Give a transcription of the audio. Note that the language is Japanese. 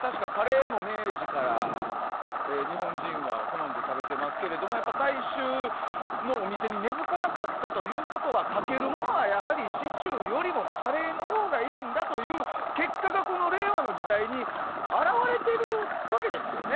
確か、カレーも明治から日本人は好んで食べていますけれども大衆のお店に根付かなかったということはかけるものはやはりシチューよりもカレーのほうがいいんだという結果がこの令和の時代に表れている訳ですよね。